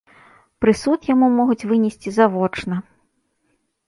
Прысуд яму могуць вынесці завочна.